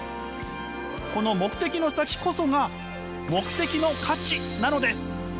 この目的の先こそが目的の価値なのです！